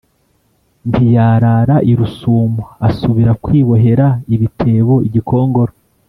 ntiyarara i rusumo asubira kwibohera ibitebo i gikongoro